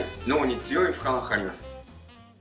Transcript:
脳に強い負荷がかかります。